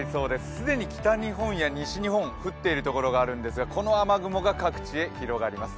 既に北日本や西日本降っているところはあるんですが、この雨雲が各地へ広がります。